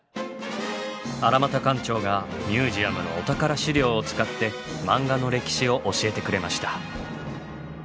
荒俣館長がミュージアムのお宝資料を使ってマンガの歴史を教えてくれました。